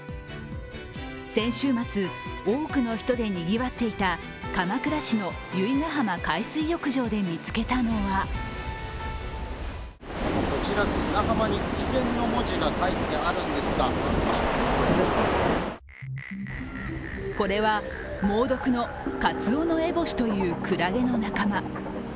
先週末、多くの人でにぎわっていた鎌倉市の由比ガ浜海水浴場で見つけたのはこれは猛毒のカツオノエボシというクラゲの仲間。